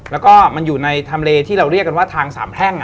แล้วก็มันอยู่ในทำเลที่เราเรียกกันว่าทางสามแพร่ง